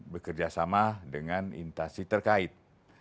bekerjasama dengan intasi terkait